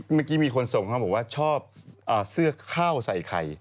เมื่อกี้มีคนทรงว่าชอบสื่อข้าวใส่ไข่